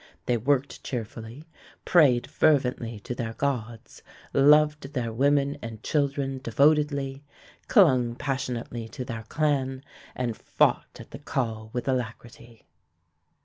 They worked cheerfully, prayed fervently to their gods, loved their women and children devotedly, clung passionately to their clan, and fought at the call with alacrity.